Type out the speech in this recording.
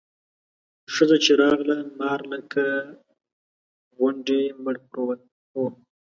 ښځه چې راغله مار لکه غونډی مړ پروت و.